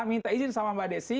minta izin sama mbak desi